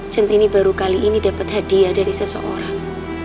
centini baru kali ini dapat hadiah dari seseorang